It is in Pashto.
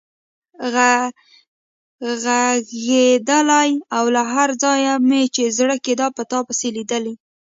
غږېدلای او له هر ځایه مې چې زړه کېده په تا پسې لیدلی.